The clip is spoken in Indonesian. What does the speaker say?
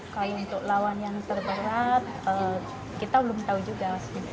kalau untuk lawan yang terberat kita belum tahu juga